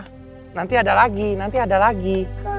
sudah ada lagi nanti ada lagi